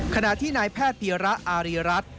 ขณะที่นายแพทย์ปียระอารีรัฐ